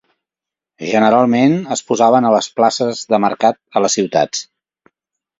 Generalment es posaven a les places de mercat a les ciutats.